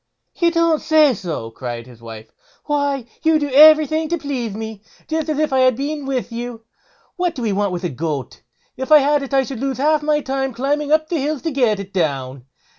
"You don't say so!" cried his wife; "why, you do everything to please me, just as if I had been with you; what do we want with a goat? If I had it I should lose half my time in climbing up the hills to get it down.